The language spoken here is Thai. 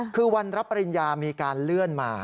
คือวันรับปริญญามีการเลื่อนมา